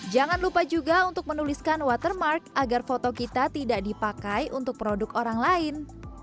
jangan lupa juga untuk menuliskan watermark agar foto kita tidak dipakai untuk produk orang lain